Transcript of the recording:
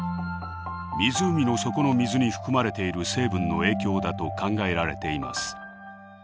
湖の底の水に含まれている成分の影響だと考えられています。